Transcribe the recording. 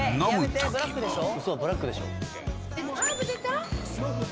ブラックでしょ？